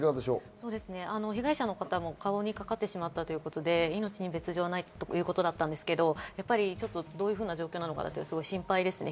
被害者の方も顔にかかってしまったということで、命に別条はないということですけれど、どういう状況かは心配ですね。